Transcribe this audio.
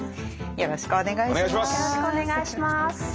よろしくお願いします。